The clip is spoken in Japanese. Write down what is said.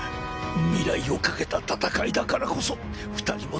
未来を懸けた戦いだからこそ二人も当事者だ